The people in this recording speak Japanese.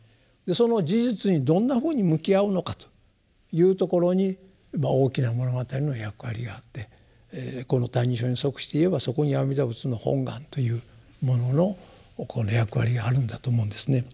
その事実にどんなふうに向き合うのかというところにまあ大きな物語の役割があってこの「歎異抄」に即して言えばそこに阿弥陀仏の本願というもののこの役割があるんだと思うんですね。